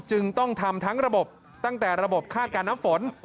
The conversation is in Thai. จึงต้องทำทั้งระบบตั้งแต่ระบบคาดการณ์น้ำฝน